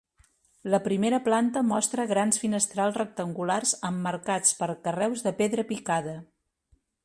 La primera planta mostra grans finestrals rectangulars emmarcats per carreus de pedra picada.